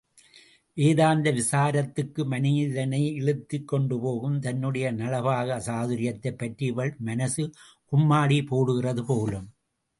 வேதாந்த விசாரத்துக்கு மனிதனை இழுத்துக் கொண்டு போகும் தன்னுடைய நளபாக சாதுர்யத்தைப்பற்றி இவள் மனசு கும்மாளி போடுகிறது போலும்!